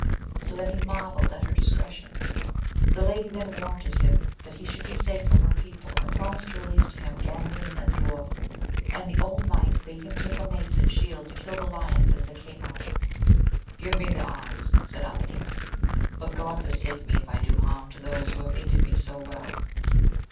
So that he marvelled at her dis cretion. The lady then warranted him that he should be safe from her people, and promised to release to him Gandalin and the dwarf, and the old knight bade him take a mace and shield to kill the lions as they came out. Give me the arms! said Amadis; but God forsake me if I do harm to those who have aided me so well.